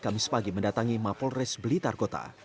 kamis pagi mendatangi mapolres blitar kota